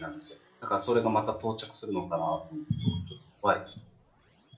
だからそれがまた到着するのかなと思うと怖いですね。